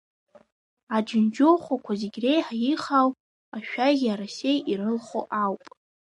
Аџьанџьыхәақәа зегьы реиҳа ихаау ашәаӷьи арасеи ирылху ауп.